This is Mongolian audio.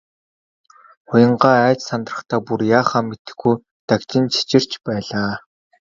Уянгаа айж сандрахдаа бүр яахаа мэдэхгүй дагжин чичирч байлаа.